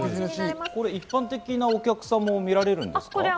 一般的なお客さんも見られるんですか？